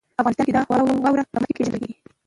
افغانستان د واوره له مخې پېژندل کېږي.